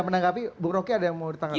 menanggapi bung roky ada yang mau ditanggapi